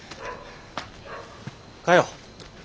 かよ。